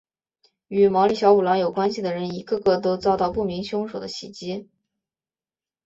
与毛利小五郎有关系的人一个个都遭到不明凶手的袭击。